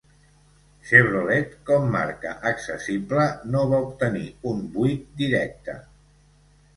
Chevrolet, com marca accessible, no va obtenir un vuit directe.